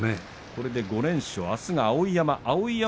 これで５連勝、あすは碧山。